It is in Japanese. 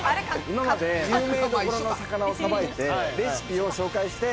今まで有名どころの魚をさばいてレシピを紹介する。